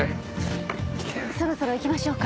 そろそろ行きましょうか。